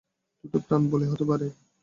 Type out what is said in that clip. দুটো প্রাণ বলি হতে পারে।